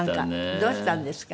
どうしたんですか？